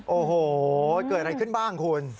โอ้โหเกิดอะไรขึ้นบ้างคุณ